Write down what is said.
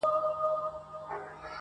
چا مي وویل په غوږ کي-